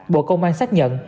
bộ công an xác nhận